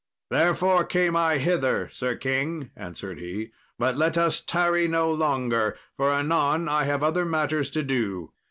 "Therefore came I hither, Sir king," answered he; "but let us tarry no longer, for anon I have other matters to do.